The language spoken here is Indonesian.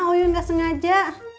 oyun gak sengaja